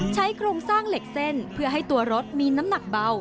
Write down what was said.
โครงสร้างเหล็กเส้นเพื่อให้ตัวรถมีน้ำหนักเบา